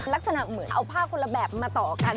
ลักษณะเหมือนเอาผ้าคนละแบบมาต่อกัน